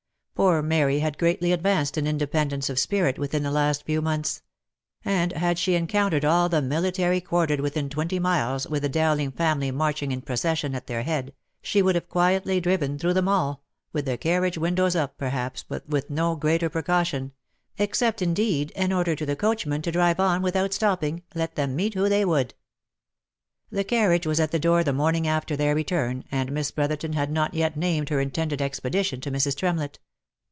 Poor Mary had greatly advanced in independence of spirit within the last few months ; and had she encountered all the military quartered with in twenty miles, with the Dowling family marching in procession at their head, she would have quietly driven through them all, with the carriage windows up, perhaps, but with no greater precaution — except, indeed, an order to the coachman to drive on without stopping, let them meet who they would. The carriage was at the door the morning after their return, and Miss Brotherton had not yet named her intended expedition to Mrs. Tremlett.